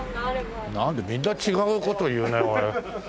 なんだみんな違う事言うね。